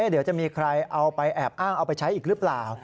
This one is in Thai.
เดี๋ยวจะมีใครเอาไปแอบอ้างเอาไปใช้อีกหรือเปล่า